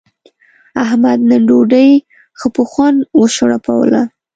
احمد نن ډوډۍ ښه په خوند و شړپوله.